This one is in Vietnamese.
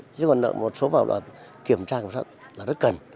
chứ còn một số kiểm tra cẩn soát là rất cần